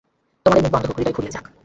তোমাদের মুখ বন্ধ হউক, হৃদয় খুলিয়া যাক।